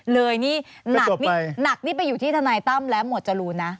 เลยนี่หนักนี่ไปอยู่ที่ทนายตั้มและหมวดจรูนนะ